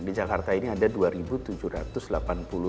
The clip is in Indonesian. di jakarta ini ada dua tujuh ratus tiga puluh delapan rw